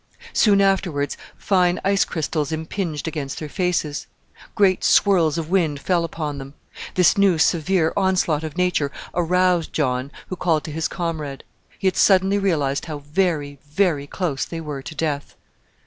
Soon afterwards fine ice crystals impinged against their faces. Great swirls of wind fell upon them. This new severe onslaught of nature aroused John, who called to his comrade. He had suddenly realized how very, very close they were to death.